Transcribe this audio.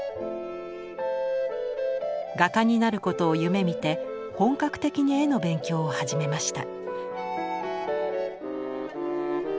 画家になることを夢みて本格的に絵の勉強を始めました。